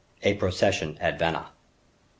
A Procession at Vannes.